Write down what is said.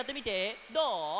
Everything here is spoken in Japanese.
どう？